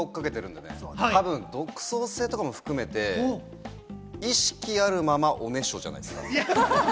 たぶん独創性とかも含めて、意識あるまま、おねしょじゃないですか？